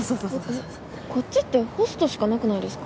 えっこっちってホストしかなくないですか？